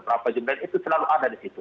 berapa jumlah itu selalu ada di situ